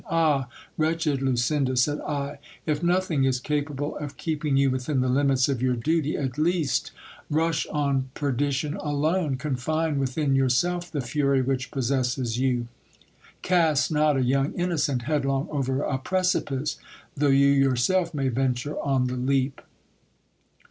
Ah ! wretched Lucinda, said I, if nothing is capable of keeping you within the limits of your duty, at least rush on perdition alone ; confine with in yourself the fury which possesses you ; cast not a young innocent head long over a precipice, though you yourself may venture on the leap.